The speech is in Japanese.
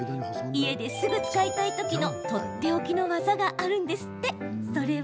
家ですぐ使いたいときのとっておきの技があるんだそう。